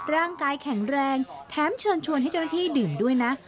ร่างกายแข็งแรงแถมเชิญชวนให้เจ้าหน้าที่ดื่มด้วยนะ